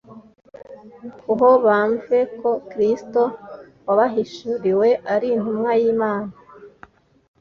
kuho bamenVe ko Kristo wabahishuriwe ari Intumwa y'Imana.